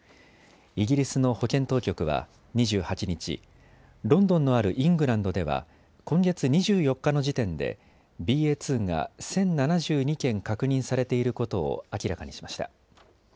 イギリスの保健当局は２８日、ロンドンのあるイングランドでは今月２４日の時点で、ＢＡ．２が１０７２件確認されていることを明らかにしました。